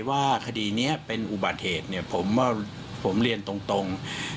ว่าคดีนี้เป็นอุบัติเหตุผมเรียนตรง